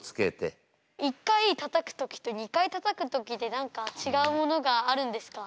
１回たたく時と２回たたく時で何かちがうものがあるんですか？